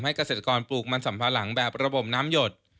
เกษตรกรปลูกมันสัมภาหลังแบบระบบน้ำหยด